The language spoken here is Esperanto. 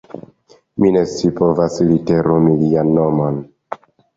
Mi ne scipovas literumi lian nomon.